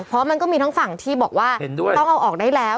เพราะมันก็มีทั้งฝั่งที่บอกว่าต้องเอาออกได้แล้ว